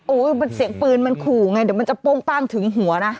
มันเสียงปืนมันขู่ไงเดี๋ยวมันจะโป้งป้างถึงหัวนะ